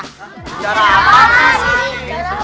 bicara apa sih